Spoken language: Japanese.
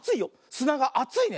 すながあついね。